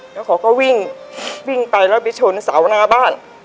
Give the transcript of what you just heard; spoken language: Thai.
แล้วเขาก็วิ่งวิ่งไปแล้วไปชนเสาหน้าบ้าน